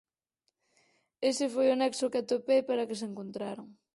Ese foi o nexo que atopei para que se encontraran.